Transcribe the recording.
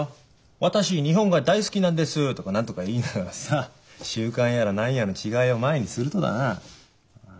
「私日本が大好きなんです」とか何とか言いながらさ習慣やら何やらの違いを前にするとだなああ